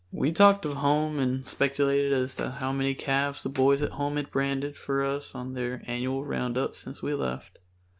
We talked of home and speculated as to how many calves the boys at home had branded for us on their annual roundups since we left.